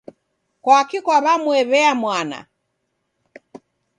Kwaki kwaw'amwew'ea mwana